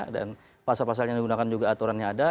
dan pasal pasalnya yang digunakan juga aturannya ada